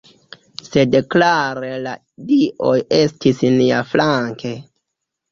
Sed klare la dioj estis niaflanke.